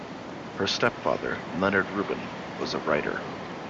Her stepfather, Leonard Rubin, was a writer.